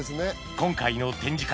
今回の展示会